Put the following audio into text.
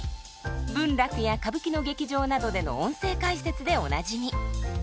文楽や歌舞伎の劇場などでの音声解説でおなじみ。